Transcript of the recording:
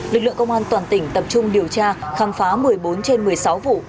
lực lượng công an toàn tỉnh tập trung điều tra khám phá một mươi bốn trên một mươi sáu vụ